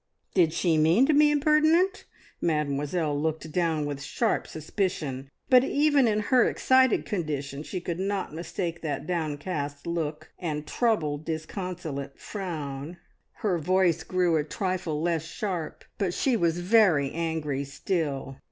Did she mean to be impertinent? Mademoiselle looked down with sharp suspicion, but even in her excited condition she could not mistake that downcast look, and troubled, disconsolate frown. Her voice grew a trifle less sharp, but she was very angry still.